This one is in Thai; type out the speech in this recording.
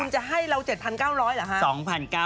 คุณจะให้เรา๗๙๐๐เหรอคะ